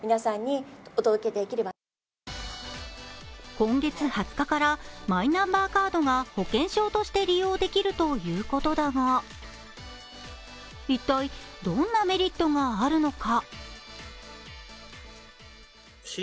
今月２０日からマイナンバーカードが保険証として利用できるということだが一体、どんなメリットがあるのか。